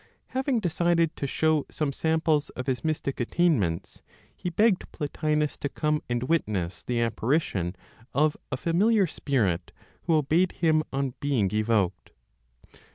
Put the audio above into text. Having decided to show some samples of his mystic attainments, he begged Plotinos to come and witness the apparition of a familiar spirit who obeyed him on being evoked.